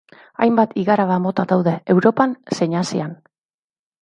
Hainbat igaraba mota daude Europan zein Asian.